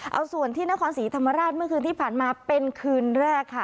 เอาส่วนที่นครศรีธรรมราชเมื่อคืนที่ผ่านมาเป็นคืนแรกค่ะ